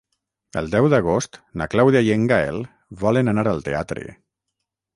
El deu d'agost na Clàudia i en Gaël volen anar al teatre.